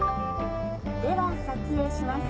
では撮影します